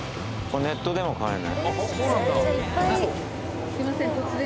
ネットでも買えない。